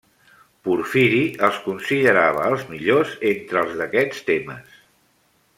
Porfiri els considerava els millors entre els d'aquests temes.